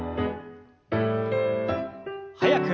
速く。